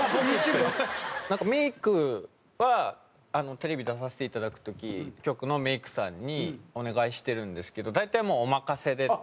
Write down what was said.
なんかメイクはテレビ出させていただく時局のメイクさんにお願いしてるんですけど大体もうおまかせでって。